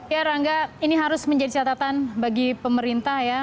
ya rangga ini harus menjadi catatan bagi pemerintah ya